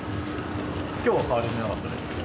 きょうは買われてなかったですけど。